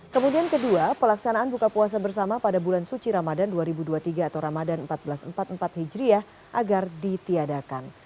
kemudian kedua pelaksanaan buka puasa bersama pada bulan suci ramadan dua ribu dua puluh tiga atau ramadan seribu empat ratus empat puluh empat hijriah agar ditiadakan